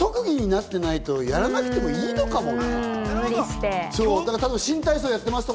本当に特技になってないと、やらなくてもいいのかもね。